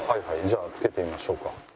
じゃあ着けてみましょうか。